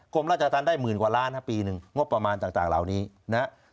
กรมราชธรรมได้หมื่นกว่าล้านฮะปีหนึ่งงบประมาณต่างเหล่านี้นะครับ